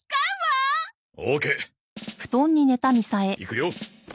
いくよ。